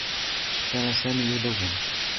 كان سامي يلوّن.